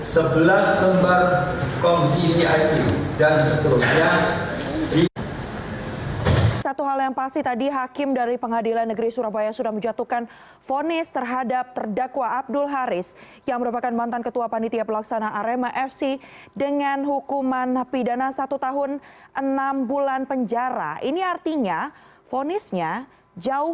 sebelas lembar komiti disiplin basasi dan seterusnya dikembalikan kepada saksi ahmad ria